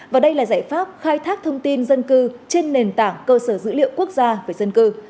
và đây là giải pháp khai thác thông tin dân cư trên nền tảng cơ sở dữ liệu quốc gia về dân cư